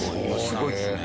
すごいですね。